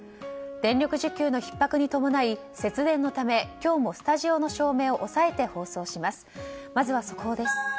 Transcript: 電力需給のひっ迫に伴い節電のため今日もスタジオの照明を抑えて放送します。